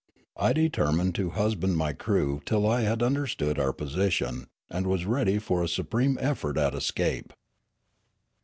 I determined to husband my crew till I had understood our position, and was ready for a supreme effort at escape.